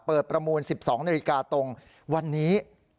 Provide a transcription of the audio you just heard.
ประมูล๑๒นาฬิกาตรงวันนี้